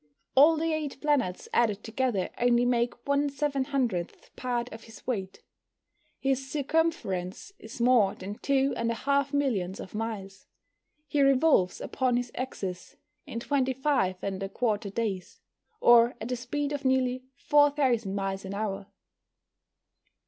All the eight planets added together only make one seven hundredth part of his weight. His circumference is more than two and a half millions of miles. He revolves upon his axis in 25 1/4 days, or at a speed of nearly 4,000 miles an hour.